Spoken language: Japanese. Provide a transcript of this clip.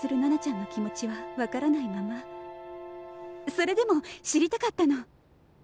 それでも知りたかったの。